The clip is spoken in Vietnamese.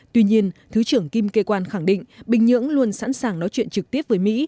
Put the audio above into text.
tuy nhiên thứ trưởng kim kê quan khẳng định bình nhưỡng luôn sẵn sàng nói chuyện trực tiếp với mỹ